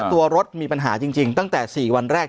ตัวรถมีปัญหาจริงตั้งแต่๔วันแรก